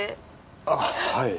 あっはい。